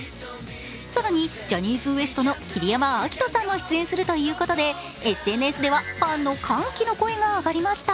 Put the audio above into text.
更にジャニーズＷＥＳＴの桐山照史さんも出演するということでＳＮＳではファンの歓喜の声が上がりました。